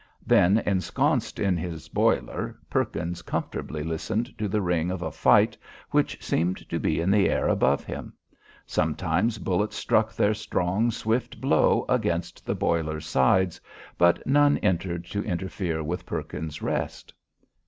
Then ensconced in his boiler, Perkins comfortably listened to the ring of a fight which seemed to be in the air above him. Sometimes bullets struck their strong, swift blow against the boiler's sides, but none entered to interfere with Perkins's rest.